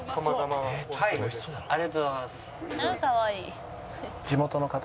ありがとうございます。